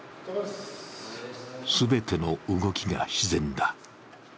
全ての動きが自然だ。